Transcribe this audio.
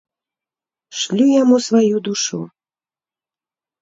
Шлю яму сваю душу.